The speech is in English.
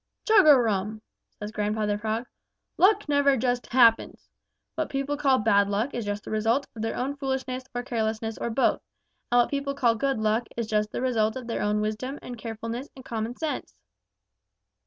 "Chug a rum!" says Grandfather Frog, "Luck never just happens. What people call bad luck is just the result of their own foolishness or carelessness or both, and what people call good luck is just the result of their own wisdom and carefulness and common sense."